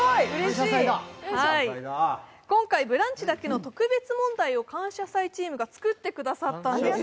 今回「ブランチ」だけの特別問題を「感謝祭」チームが作ってくれたんです。